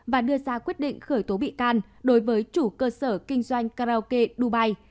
và đưa ra quyết định khởi tố bị can đối với chủ cơ sở kinh doanh karaoke dubai